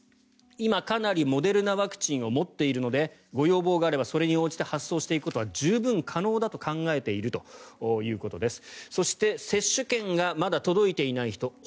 今、かなりモデルナワクチンを持っているのでご要望があればそれに応じて発送していくことは十分可能だと考えているということです。